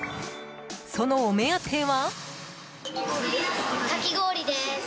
そのお目当ては。